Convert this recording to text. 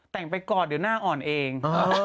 แต่งไปก่อนเดี๋ยวหน้าอ่อนเอง